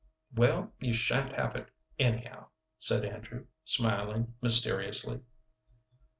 "Well, you sha'n't have it, anyhow," said Andrew, smiling mysteriously.